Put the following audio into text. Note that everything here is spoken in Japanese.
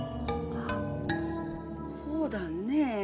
あっほうだねえ。